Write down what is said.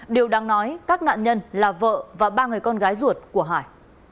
điều đáng nói các nạn nhân là vợ và ba người con gái ruột của hải